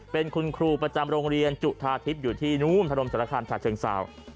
เป็นคุณครูประจำโรงเรียนจุธาทิพย์อยู่ที่นุมธนมศาลการณ์ชาติเชียงซาวน์